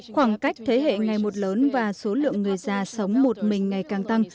khoảng cách thế hệ ngày một lớn và số lượng người già sống một mình ngày càng tăng